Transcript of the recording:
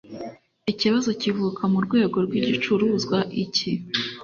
ikibazo kivuka mu rwego rw igicuruzwa iki